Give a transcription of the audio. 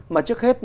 mà trước hết